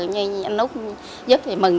nhưng anh úc giúp thì mừng